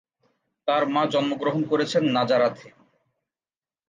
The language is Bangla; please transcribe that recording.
তার মা জন্মগ্রহণ করেছেন নাজারাথে।